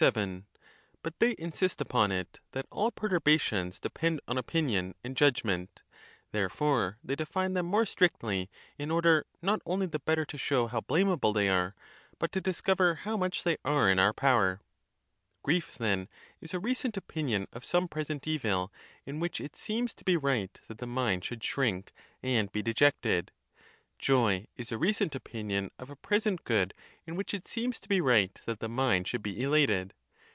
VII. But they insist upon it that all perturbations de pend on opinion and judgment; therefore they define them more strictly, in order not only the better to show how blamable they are, but to discover how much they are in our power. Grief, then, is a recent opinion of some present evil, in which it seems to be right that the mind should shrink and be dejected. Joy is a recent opinion of a present good, in which it seems to be right that the mind should be elated.